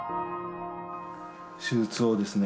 手術をですね